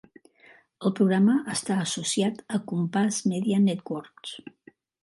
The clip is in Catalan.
El programa està associat a Compass Media Networks.